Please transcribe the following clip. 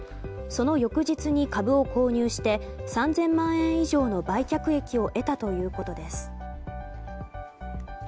その翌日に株を購入して３０００万円以上の売却益を得たということです。